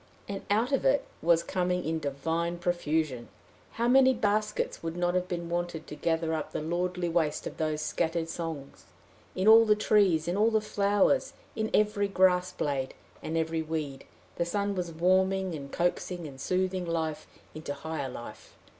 And out it was coming in a divine profusion! How many baskets would not have been wanted to gather up the lordly waste of those scattered songs! in all the trees, in all the flowers, in every grass blade, and every weed, the sun was warming and coaxing and soothing life into higher life.